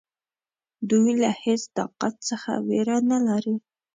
دوی له هیڅ طاقت څخه وېره نه لري.